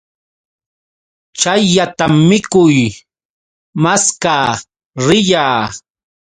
Chayllatam mikuy maskaa riyaa.